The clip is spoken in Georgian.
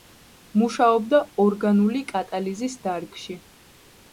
მუშაობდა ორგანული კატალიზის დარგში.